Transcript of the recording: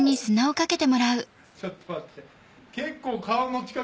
ちょっと待って結構。